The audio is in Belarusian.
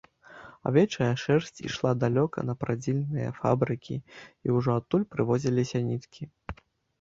Авечая шэрсць ішла далёка на прадзільныя фабрыкі, і ўжо адтуль прывозіліся ніткі.